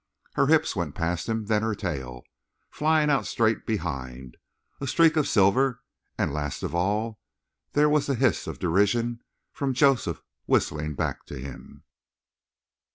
Her hips went past him, then her tail, flying out straight behind, a streak of silver; and last of all, there was the hiss of derision from Joseph whistling back to him.